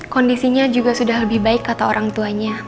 kondisinya juga sudah lebih baik kata orang tuanya